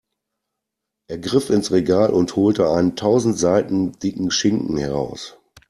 Er griff ins Regal und holte einen tausend Seiten dicken Schinken heraus.